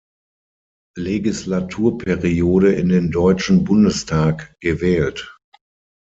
Legislaturperiode in den deutschen Bundestag gewählt.